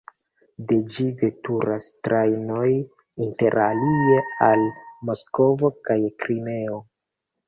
De ĝi veturas trajnoj interalie al Moskvo kaj Krimeo.